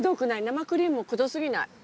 生クリームもくど過ぎない。